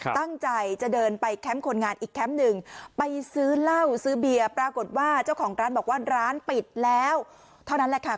ตั้งใจจะเดินไปแคมป์คนงานอีกแคมป์หนึ่งไปซื้อเหล้าซื้อเบียร์ปรากฏว่าเจ้าของร้านบอกว่าร้านปิดแล้วเท่านั้นแหละค่ะ